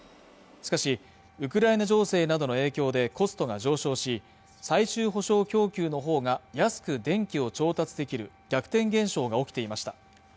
しかしウクライナ情勢などの影響でコストが上昇し最終保障供給のほうが安く電気を調達できる逆転現象が起きていました